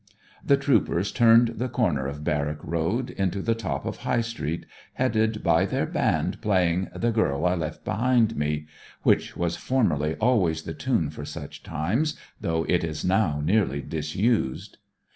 The troopers turned the corner of Barrack Road into the top of High Street, headed by their band playing 'The girl I left behind me' (which was formerly always the tune for such times, though it is now nearly disused).